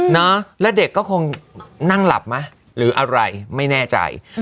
นะแล้วเด็กก็คงนั่งหลับไหมหรืออะไรไม่แน่ใจ